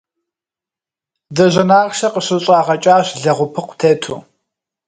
Дыжьын ахъшэ къыщыщӏагъэкӏащ лэгъупыкъу тету.